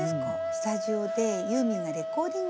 スタジオでユーミンがレコーディングをしてると。